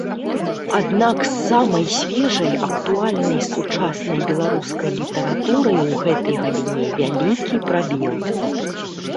Аднак з самай свежай актуальнай сучаснай беларускай літаратурай у гэтай галіне вялікі прабел.